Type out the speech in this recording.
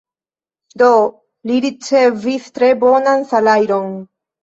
Do li ricevis tre bonan salajron.